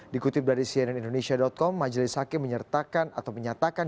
dikutip dari cnn indonesia com majelis hakim menyatakan